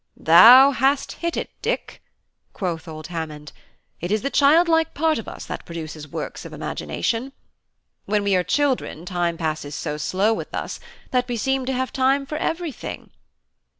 "Thou hast hit it, Dick," quoth old Hammond; "it is the child like part of us that produces works of imagination. When we are children time passes so slow with us that we seem to have time for everything."